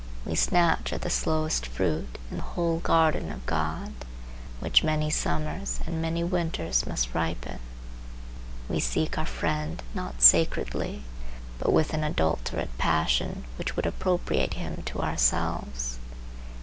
We snatch at the slowest fruit in the whole garden of God, which many summers and many winters must ripen. We seek our friend not sacredly, but with an adulterate passion which would appropriate him to ourselves.